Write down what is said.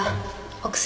お薬